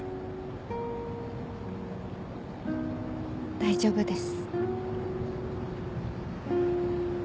大丈夫です。